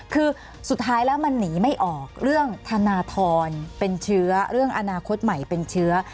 คือสุดท้ายแล้วมันหนีไม่ออกเรื่องธนทรเป็นเชื้อเรื่องอนาคตใหม่เป็นเชื้อ